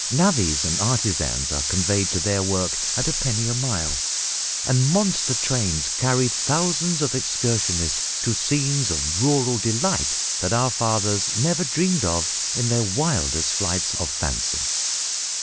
Navvys and artisans are conveyed to their work at a penny a mile, and monster trains carry thousands of excursionists to scenes of rural delight that our fathers never dreamed of in their wildest flights of fancy.